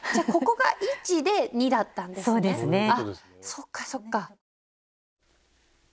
そっかそっか。